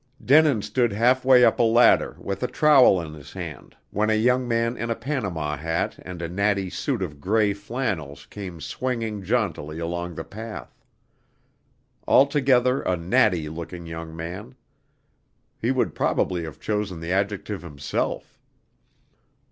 Denin stood half way up a ladder with a trowel in his hand, when a young man in a Panama hat and a natty suit of gray flannels came swinging jauntily along the path: altogether, a "natty" looking young man. He would probably have chosen the adjective himself.